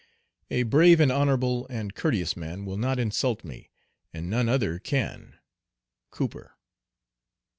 A brave and honorable and courteous man Will not insult me; and none other can." Cowper.